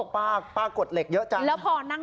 ละลินบอกป้ากดเหล็กเยอะจัง